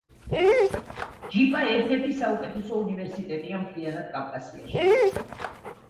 ჯიპა ერთ-ერთი საუკეთესო უნივერსიტეტია მთლიანად კავკასიაში